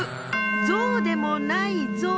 ゾウでもないゾウ。